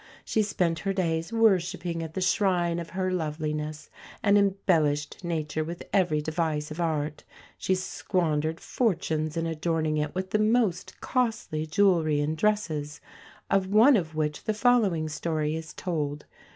She spent her days worshipping at the shrine of her loveliness, and embellished nature with every device of art. She squandered fortunes in adorning it with the most costly jewellery and dresses, of one of which the following story is told.